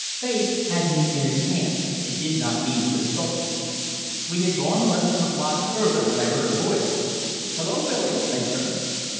Fate had me in its hands, and did not mean to consult me. We had gone less than a block further when I heard a voice, "Hello! Billy!" I turned.